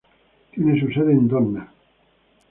Tiene su sede en Donna.